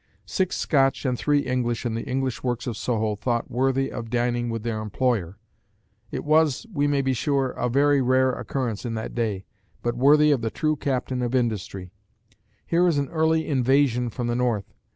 Six Scotch and three English in the English works of Soho thought worthy of dining with their employer! It was, we may be sure, a very rare occurrence in that day, but worthy of the true captain of industry. Here is an early "invasion" from the north.